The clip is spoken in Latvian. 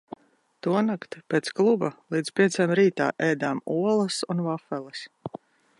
Tonakt pēc kluba līdz pieciem rītā ēdām olas un vafeles.